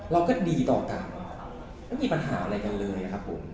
เราก็ดีต่อกันไม่มีปัญหาอะไรกันเลยครับผม